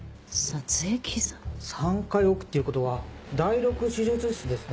３階奥っていうことは第６手術室ですね。